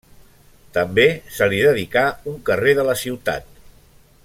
També se li dedicà un carrer de la ciutat.